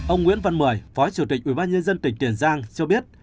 ông nguyễn văn mười phó chủ tịch ubnd tỉnh tiền giang cho biết